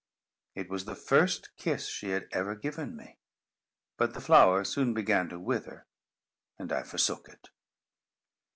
It was the first kiss she had ever given me. But the flower soon began to wither, and I forsook it.